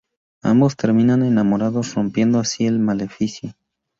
Ambos terminan enamorados, rompiendo así el maleficio.